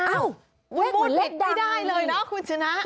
อ้าวเหมือนเลขไม่ได้เลยนะคุณชนะ